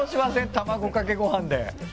卵かけご飯で。